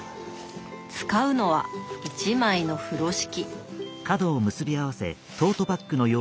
使うのは一枚の風呂敷。